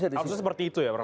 harusnya seperti itu ya prof